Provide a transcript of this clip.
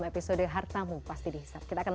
mbak mirza jangan kemana mana